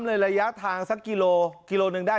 ระยะทางสักกิโลกิโลหนึ่งได้